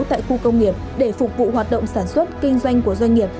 tại khu công nghiệp để phục vụ hoạt động sản xuất kinh doanh của doanh nghiệp